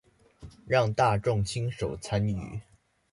讓大眾親手參與